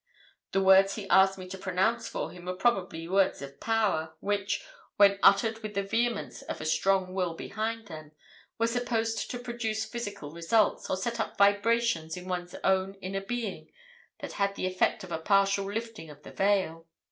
The words he asked me to pronounce for him were probably 'Words of Power,' which, when uttered with the vehemence of a strong will behind them, were supposed to produce physical results, or set up vibrations in one's own inner being that had the effect of a partial lifting of the veil.